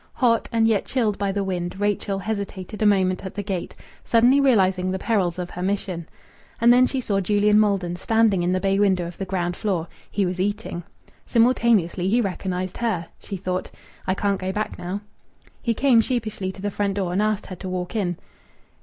Hot, and yet chilled by the wind, Rachel hesitated a moment at the gate, suddenly realizing the perils of her mission. And then she saw Julian Maldon standing in the bay window of the ground floor; he was eating. Simultaneously he recognized her. She thought, "I can't go back now." He came sheepishly to the front door and asked her to walk in.